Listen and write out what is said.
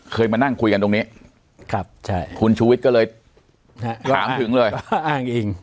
เคยมานั่งคุยกันตรงนี้คุณชูวิทย์ก็เลยถามถึงเลยอ้างอิง